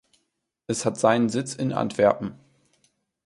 Es hat seinen Sitz in Antwerpen.